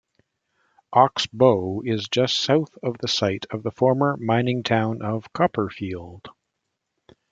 Oxbow is just south of the site of the former mining town of Copperfield.